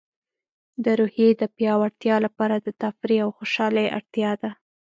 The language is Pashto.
د روحیې د پیاوړتیا لپاره د تفریح او خوشحالۍ اړتیا ده.